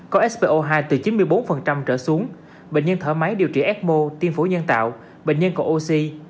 có spo hai từ chín mươi bốn trở xuống bệnh nhân thở máy điều trị ecmo tiên phố nhân tạo bệnh nhân có oxy